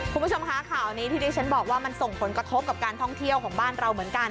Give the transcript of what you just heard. คุณผู้ชมคะข่าวนี้ที่ดิฉันบอกว่ามันส่งผลกระทบกับการท่องเที่ยวของบ้านเราเหมือนกัน